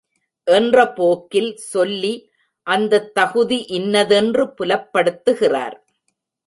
என்ற போக்கில் சொல்லி, அந்தத் தகுதி இன்னதென்று புலப்படுத்துகிறார்.